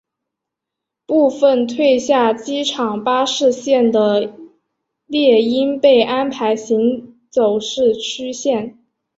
部份退下机场巴士线的猎鹰被安排行走市区线。